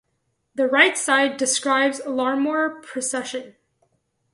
The right side describes Larmor precession.